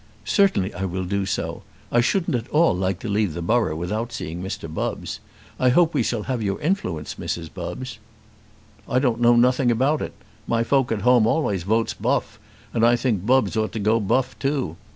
"Certainly I will do so. I shouldn't at all like to leave the borough without seeing Mr. Bubbs. I hope we shall have your influence, Mrs. Bubbs." "I don't know nothing about it. My folk at home allays vote buff; and I think Bubbs ought to go buff too.